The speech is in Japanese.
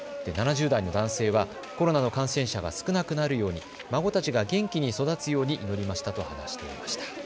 ７０代の男性はコロナの感染者が少なくなるように、孫たちが元気に育つように祈りましたと話していました。